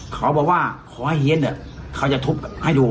เขาบอกว่าขอให้เฮียเนี่ยเขาจะทุบให้ดู